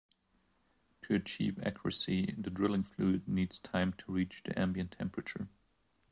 To achieve accuracy the drilling fluid needs time to reach the ambient temperature.